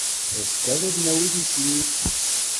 Azekka, ad d-nawi tislit.